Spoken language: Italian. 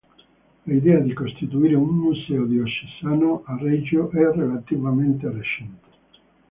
L'idea di costituire un Museo diocesano a Reggio è relativamente recente.